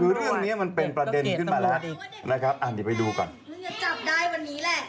คือเรื่องนี้มันเป็นประเด็นขึ้นมาแล้วนะครับอ่ะนี่ไปดูก่อนต้องเก็บตำรวจดีกว่าเด็กต้องเก็บตำรวจดีกว่าเด็ก